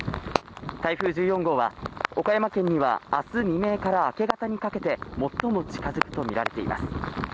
台風１４号は岡山県には明日未明から明け方にかけて最も近づくとみられています。